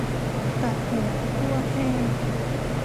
ตัดหัวคั่วแห้ง